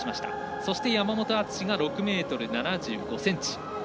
そして、山本篤が６ｍ７５ｃｍ。